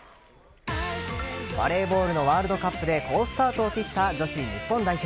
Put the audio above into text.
バレーボールのワールドカップで好スタートを切った女子日本代表。